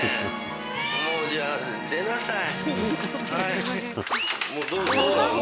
もうじゃあ出なさい。